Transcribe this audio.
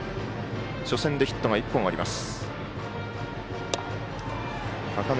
初戦でヒットが１本あります。